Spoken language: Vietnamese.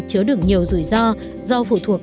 chứa đường nhiều rủi ro do phụ thuộc